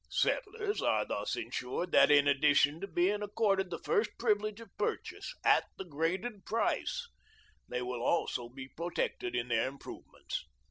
Settlers are thus insured that in addition to being accorded the first privilege of purchase, at the graded price, they will also be protected in their improvements.'